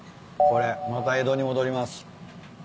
これまた江戸に戻ります。